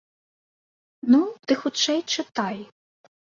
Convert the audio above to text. Ну, ты хутчэй чытай.